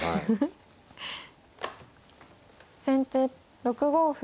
先手６五歩。